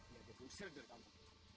dia akan berusir dari kamu